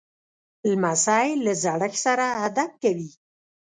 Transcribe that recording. لمسی له زړښت سره ادب کوي.